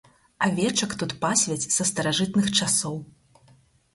Авечак тут пасвяць са старажытных часоў.